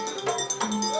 berasa banget ada di desa